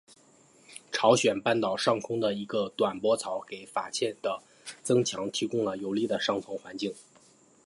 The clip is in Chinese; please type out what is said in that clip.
朝鲜半岛上空的一个短波槽给法茜的增强提供了有利的上层环境。